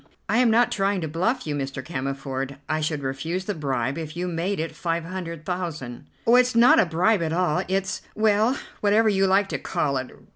"I am not trying to bluff you, Mr. Cammerford. I should refuse the bribe if you made it five hundred thousand." "Oh, it's not a bribe at all, it's well, whatever you like to call it.